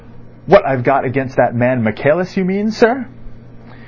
"What I've got against that man Michaelis you mean, sir?"